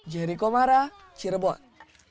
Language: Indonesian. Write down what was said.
jeriko mara cirebon